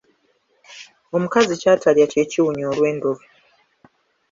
Omukazi kyatalya kye kiwunya olwendo lwe.